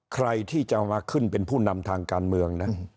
ใครที่จะมาขึ้นเป็นผู้นำทางการเมืองนะ